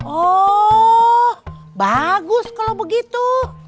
oh bagus kalau begitu